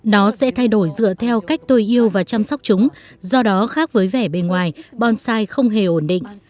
nó sẽ thay đổi dựa theo cách tôi yêu và chăm sóc chúng do đó khác với vẻ bên ngoài bonsai không hề ổn định